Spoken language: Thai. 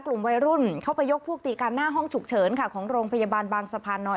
กลุ่มวัยรุ่นเข้าไปยกพวกตีกันหน้าห้องฉุกเฉินค่ะของโรงพยาบาลบางสะพานน้อย